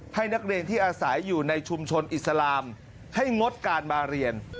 ให้นักเรียนที่อาศัยอยู่ในชุมชนอิสลามให้งดการมาเรียน